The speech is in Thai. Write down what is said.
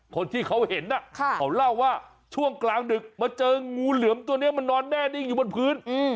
คนที่เขาเห็นเขาเล่าว่าช่วงกลางดึกมาเจองูเหลือมตัวนี้มันนอนแน่นิ่งอยู่บนพื้น